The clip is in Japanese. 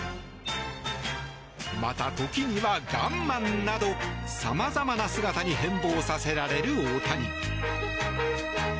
また時にはガンマンなど様々な姿に変ぼうさせられる大谷。